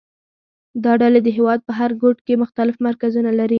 دا ډلې د هېواد په هر ګوټ کې مختلف مرکزونه لري